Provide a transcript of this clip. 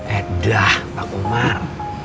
eh dah pak kumar